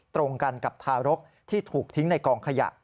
ตรงกันกับทารกที่ถูกทิ้งในกองขยะ